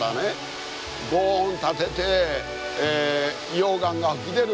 ごう音立てて溶岩が噴き出る